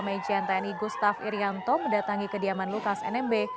mejianteni gustaf irianto mendatangi kediaman lukas nmb